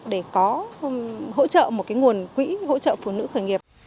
để có hỗ trợ một nguồn quỹ hỗ trợ phụ nữ khởi nghiệp